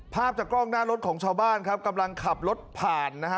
ภาพจากกล้องหน้ารถของชาวบ้านครับกำลังขับรถผ่านนะฮะ